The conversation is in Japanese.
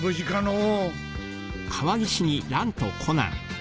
う。